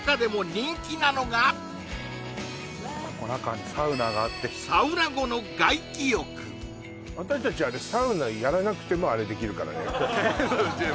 ここ中サウナがあって私達あれサウナやらなくてもあれできるからね